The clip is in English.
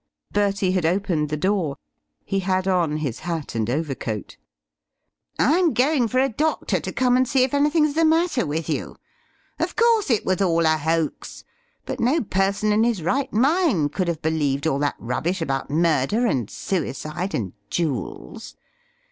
Bertie had opened the door; he had on his hat and overcoat. "I'm going for a doctor to come and see if anything's the matter with you. Of course it was all a hoax, but no person in his right mind could have believed all that rubbish about murder and suicide and jewels.